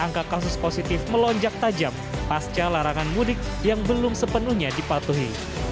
dan angka kasus positif melonjak tajam pasca larangan mudik yang belum sepenuhnya dipatuhi